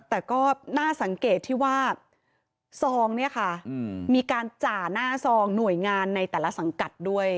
แต่ก็น่าสังเกตที่ว่าซองเนี่ยค่ะมีการจ่าหน้าซองหน่วยงานในแต่ละสังกัดด้วย